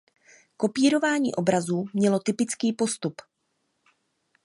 Kopírování obrazů mělo typický postup.